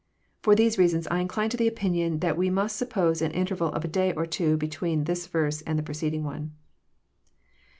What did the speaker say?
For these reasons I incline to the opinion that we must suppose an interval of a. day or two between this verse and the preceding one.